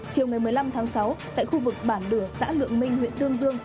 chiều ngày một mươi năm tháng sáu tại khu vực bản đửa xã lượng minh huyện tương dương